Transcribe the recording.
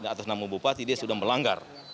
dan atas nama bupati dia sudah melanggar